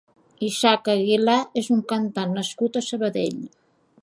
Isaak Aguilà és un cantant nascut a Sabadell.